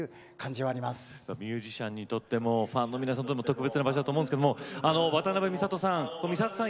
ミュージシャンにとってもファンの皆さんにとっても特別な場所だと思うんですけどもあの渡辺美里さん美里さん